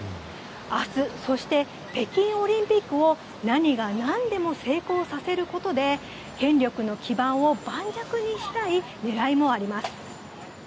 明日、そして北京オリンピックを何が何でも成功させることで権力の基盤を盤石にしたい狙いもあります。